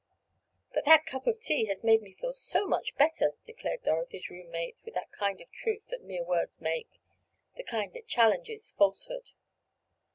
"But that cup of tea has made me feel so much better," declared Dorothy's room mate, with that kind of truth that mere words make—the kind that challenges falsehood.